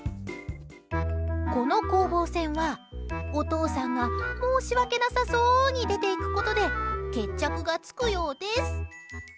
この攻防戦はお父さんが申し訳なさそうに出ていくことで決着がつくようです。